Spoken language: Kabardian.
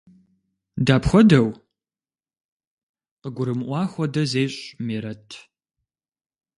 – Дапхуэдэу? – къыгурымыӀуа хуэдэ зещӀ Мерэт.